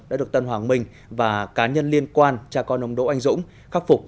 đã được tân hoàng minh và cá nhân liên quan cha con ông đỗ anh dũng khắc phục